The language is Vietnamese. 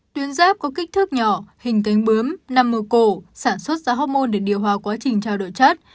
tuyến giáp có kích thước nhỏ hình cánh bướm nằm mùa cổ sản xuất ra hormôn để điều hòa quá trình trao đổi chất